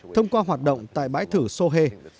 thông qua hoạt động tại bãi thử sohe